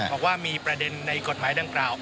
บอกว่ามีประเด็นในกฎหมายดังกล่าว